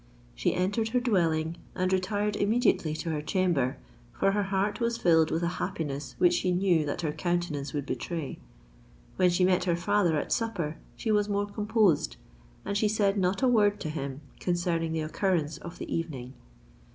She entered her dwelling, and retired immediately to her chamber; for her heart was filled with a happiness which she knew that her countenance would betray. When she met her father at supper, she was more composed; and she said not a word to him concerning the occurrence of the evening.